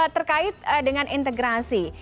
terkait dengan integrasi